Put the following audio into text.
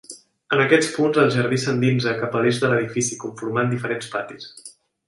En aquests punts el jardí s'endinsa cap a l'eix de l'edifici conformant diferents patis.